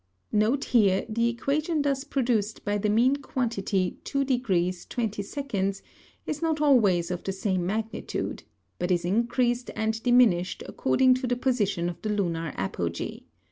Note here, the Equation thus produced by the mean Quantity 2 degrees, 20 seconds, is not always of the same magnitude; but is increased and diminished, according to the Position of the Lunar Apogee.